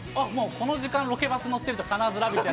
この時間、ロケバス乗ってると「ラヴィット！」